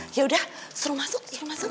yaudah suruh masuk